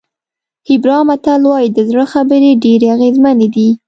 هېبرا متل وایي د زړه خبرې ډېرې اغېزمنې دي.